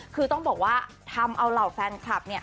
คือต้องบอกว่าทำเอาเหล่าแฟนคลับ